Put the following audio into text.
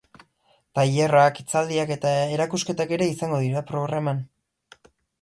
Tailerrak, hitzaldiak eta erakusketak ere izango dira programan.